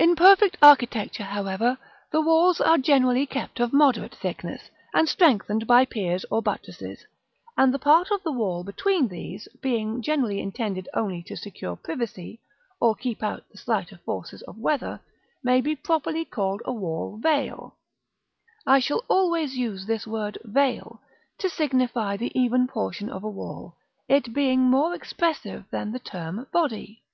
In perfect architecture, however, the walls are generally kept of moderate thickness, and strengthened by piers or buttresses; and the part of the wall between these, being generally intended only to secure privacy, or keep out the slighter forces of weather, may be properly called a Wall Veil. I shall always use this word "Veil" to signify the even portion of a wall, it being more expressive than the term Body.